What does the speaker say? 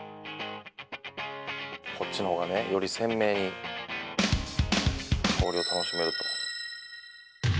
「こっちの方がねより鮮明に香りを楽しめると」